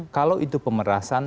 kalau itu pemerasan